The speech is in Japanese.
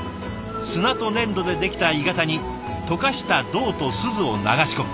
砂と粘土でできた鋳型に溶かした銅とすずを流し込む。